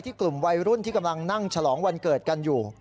กลุ่มวัยรุ่นที่กำลังนั่งฉลองวันเกิดกันอยู่